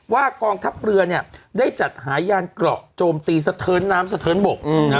ว่ากองทัพเรือเนี่ยได้จัดหายยานกรอกโจมตีสเทิร์นน้ำสเทิร์นบก